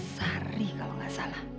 sari kalau gak salah